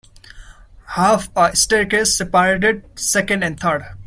Half a staircase separated second and third.